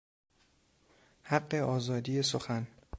حق آزادی سخن